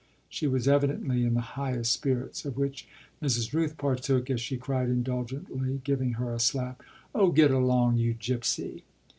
She was evidently in the highest spirits; of which Mrs. Rooth partook as she cried indulgently, giving her a slap, "Oh get along, you gypsy!"